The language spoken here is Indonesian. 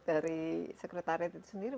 dari sekretariat itu sendiri